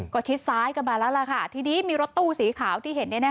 ก็ชิดซ้ายกันมาแล้วล่ะค่ะทีนี้มีรถตู้สีขาวที่เห็น